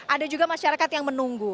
ada juga masyarakat yang bisa menangani tiket